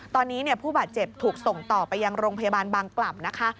ตอนนี้ผู้บาดเจ็บถูกส่งต่อไปยังโรงพยาบาลบางกล่ำนะคะ